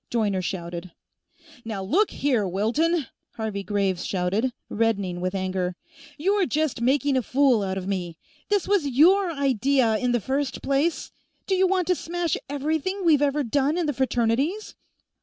Joyner shouted. "Now look here, Wilton!" Harvey Graves shouted, reddening with anger. "You're just making a fool out of me. This was your idea, in the first place! Do you want to smash everything we've ever done in the Fraternities?"